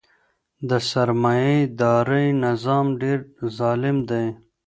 د سرمایه دارۍ نظام ډیر ظالم دی.